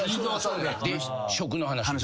食の話。